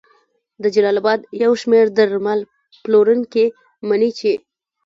د جلال اباد یو شمېر درمل پلورونکي مني چې